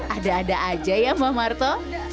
ada ada aja ya mbak marto